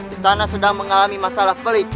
istana sedang mengalami masalah pelik